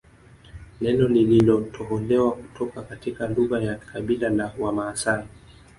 Neno lililotoholewa kutoka katika lugha ya kabila la Wamaasai